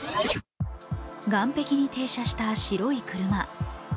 岩壁に停車した白い車。